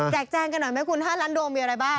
แจงกันหน่อยไหมคุณ๕ล้านโดมมีอะไรบ้าง